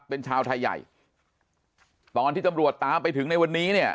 เป็นชาวไทยใหญ่ตอนที่ตำรวจตามไปถึงในวันนี้เนี่ย